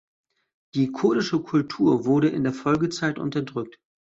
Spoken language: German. Die kurdische Kultur wurde in der Folgezeit unterdrückt.